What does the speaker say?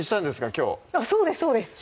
きょうそうですそうです！